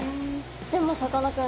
でもさかなクン